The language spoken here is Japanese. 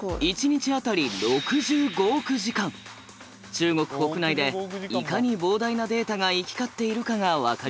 中国国内でいかに膨大なデータが行き交っているかが分かります。